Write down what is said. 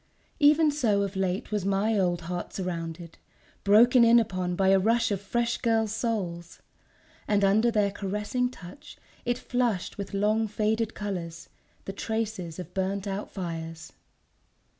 Even so of late was my old heart surrounded, broken in upon by a rush of fresh girls' souls ... and under their caressing touch it flushed with long faded colours, the traces of burnt out fires